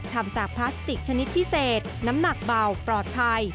ทำจากพลาสติกชนิดพิเศษน้ำหนักเบาปลอดภัย